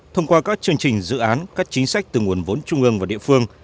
thông qua các chương trình dự án các chính sách từ nguồn vốn trung ương và địa phương